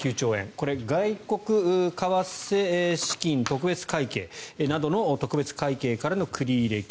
これ外国為替資金特別会計などの特別会計からの繰入金。